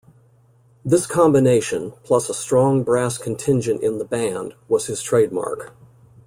This combination, plus a strong brass contingent in the band was his trademark.